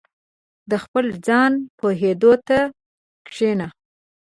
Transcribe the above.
• د خپل ځان پوهېدو ته کښېنه.